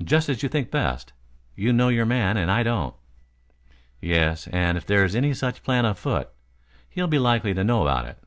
"Just as you think best. You know your man and I don't." "Yes. And if there's any such plan on foot, he'll be likely to know about it."